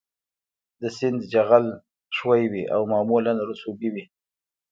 د سیند جغل ښوی وي او معمولاً رسوبي وي